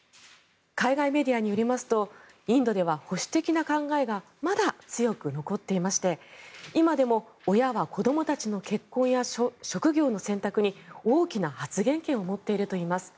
海外メディアによりますとインドでは保守的な考えがまだ強く残っていまして今でも親は子どもたちの結婚や職業の選択に大きな発言権を持っているといいます。